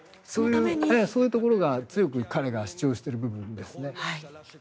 そういうところが強く彼が主張している部分ですね。